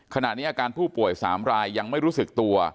ขณะนี้อาการผู้ป่วย๓รายยังไม่รู้สึกตัว